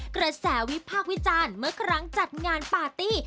กระแสวิพากษ์วิจารณ์เมื่อครั้งจัดงานปาร์ตี้